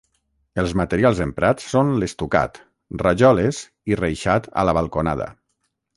Els materials emprats són l'estucat, rajoles i reixat a la balconada.